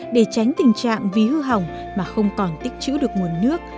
để tránh tình trạng ví hư hỏng mà không còn tích chữ được nguồn nước